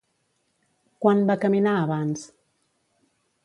Quant va caminar abans?